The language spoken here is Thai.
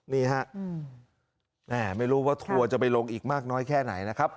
นี่ฮะแม่ไม่รู้ว่าทัวร์จะไปลงอีกมากน้อยแค่ไหนนะครับ